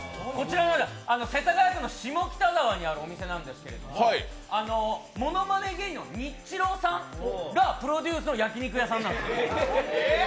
世田谷区の下北沢にあるお店なんですけど、ものまね芸人のニッチローさんがプロデュースの焼肉屋さんなんです。